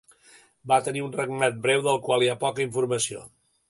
Va tenir un regnat breu del qual hi ha poca informació.